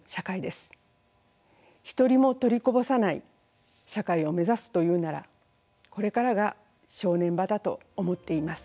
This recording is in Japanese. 一人も取りこぼさない社会を目指すというならこれからが正念場だと思っています。